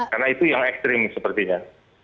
karena itu yang ekstrim sepertinya